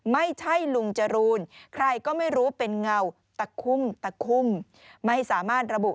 ไม่ใช่ลุงจรูนใครก็ไม่รู้เป็นเงาตะคุ้มตะคุ้ม